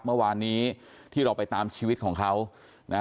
เมื่อวานนี้ที่เราไปตามชีวิตของเขานะ